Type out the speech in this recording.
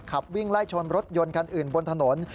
ขับวิ่งไล่ชนรถยนต์คันอื่นบนถนน